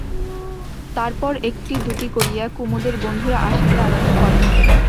তারপর একটি দুটি করিয়া কুমুদের বন্ধুরা আসিতে আরম্ভ করে।